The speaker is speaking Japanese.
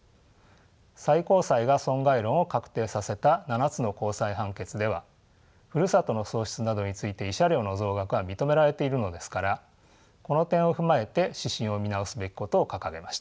最高裁が損害論を確定させた７つの高裁判決ではふるさとの喪失などについて慰謝料の増額が認められているのですからこの点を踏まえて指針を見直すべきことを掲げました。